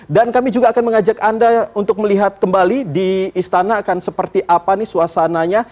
dan kami juga akan mengajak anda untuk melihat kembali di istana akan seperti apa nih suasananya